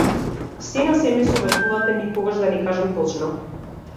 Сѐ на сѐ, ме советувате никогаш да не кажам точно?